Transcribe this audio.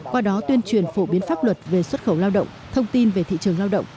qua đó tuyên truyền phổ biến pháp luật về xuất khẩu lao động thông tin về thị trường lao động